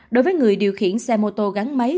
đối với người điều khiển xe mô tô gắn máy